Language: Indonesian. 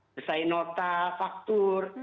disertai nota faktur